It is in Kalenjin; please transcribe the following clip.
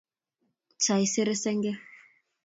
Saisere senge